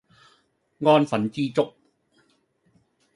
安分知足